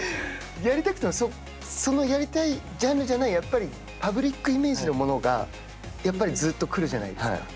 やりたくてもそのやりたいジャンルじゃないパブリックイメージのものが、やっぱりずうっと来るじゃないですか。